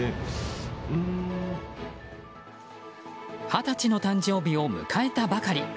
二十歳の誕生日を迎えたばかり。